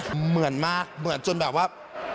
เหมือนมากเหมือนจนแบบว่า